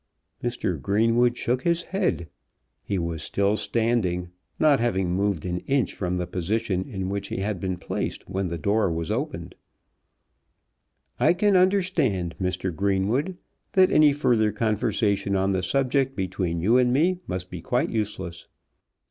Mr. Greenwood shook his head. He was still standing, not having moved an inch from the position in which he had been placed when the door was opened. "I can understand, Mr. Greenwood, that any further conversation on the subject between you and me must be quite useless."